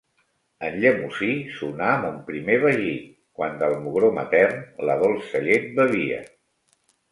En llemosí sonà mon primer vagit, quan del mugró matern la dolça llet bevia;